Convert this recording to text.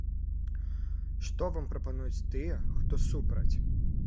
Што вам прапануюць тыя, хто супраць?